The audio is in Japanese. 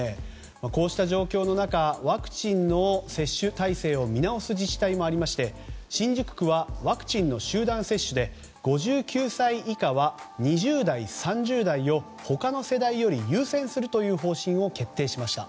こうした状況の中ワクチンの接種体制を見直す自治体もありまして新宿区はワクチンの集団接種で５９歳以下は２０代、３０代を他の世代より優先するという方針を決定しました。